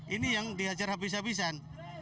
ini yang dihajar habis habisan